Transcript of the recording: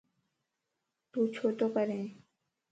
تو ڇو تو ڪرين؟